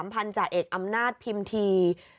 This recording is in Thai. ๓พันธุ์จ่าเอกอำนาจพิมพ์ที